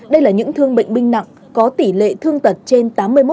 đây là những thương bệnh binh nặng có tỷ lệ thương tật trên tám mươi một